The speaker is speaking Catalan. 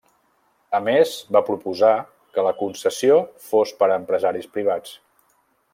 A més, va proposar que la concessió fos per a empresaris privats.